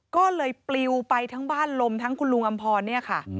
ก็เลยปลิวไปทั้งบ้านลมทั้งคุณลุงอำพรเนี่ยค่ะ